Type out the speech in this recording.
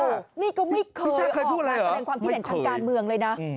นี่ก็ไม่เคยออกแบบนั้นความพิเศษทางการเมืองเลยนะพิชช่าเคยพูดอะไรเหรอไม่เคย